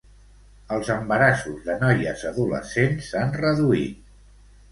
Els embarassos de noies adolescents s'han reduït.